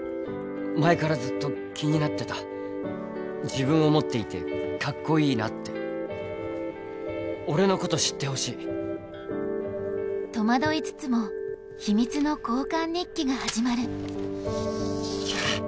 前からずっと気になってた自分を持っていてカッコいいなって俺のこと知ってほしい戸惑いつつも秘密の交換日記が始まるしゃあっ！